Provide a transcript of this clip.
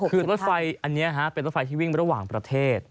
คือรถไฟอันนี้เป็นรถไฟที่วิ่งระหว่างประเทศ